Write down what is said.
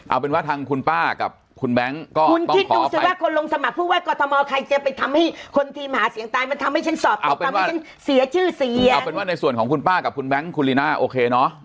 เอาเป็นว่าทางคุณป้ากับคุณแบงค์ก็คุณคิดดูสิว่าคนลงสมัครผู้ว่ากรทมใครจะไปทำให้คนทีมหาเสียงตายมันทำให้ฉันสอบทำให้ฉันเสียชื่อเสียงเอาเป็นว่าในส่วนของคุณป้ากับคุณแบงค์คุณลีน่าโอเคเนอะ